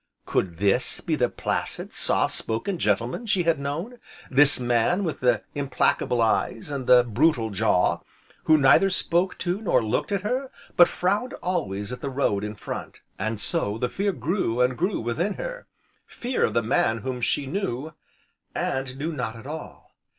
Could this be the placid, soft spoken gentleman she had known, this man, with the implacable eyes, and the brutal jaw, who neither spoke to, nor looked at her, but frowned always at the road in front. And so, the fear grew and grew within her, fear of the man whom she knew, and knew not at all.